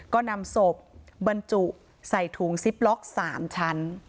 ก็นำศพบรรจุใส่ถุงซิปล็อก๓ชั้น